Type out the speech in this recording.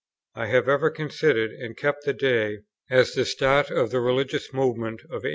I have ever considered and kept the day, as the start of the religious movement of 1833.